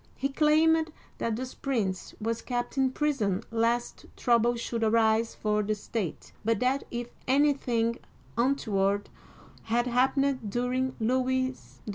He claimed that this prince was kept in prison lest trouble should arise for the state, but that if anything untoward had happened during Louis XIV.